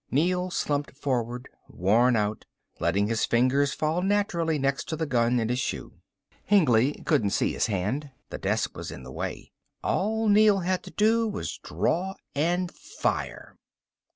Neel slumped forward, worn out, letting his fingers fall naturally next to the gun in his shoe. Hengly couldn't see his hand, the desk was in the way. All Neel had to do was draw and fire.